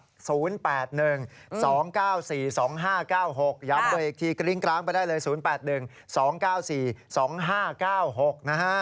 ย้ำตัวเองอีกทีกริ้งกร้างไปได้เลย๐๘๑๒๙๔๒๕๙๖นะฮะ